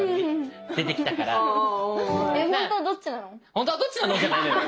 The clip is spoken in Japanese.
「本当はどっちなの？」じゃないのよ。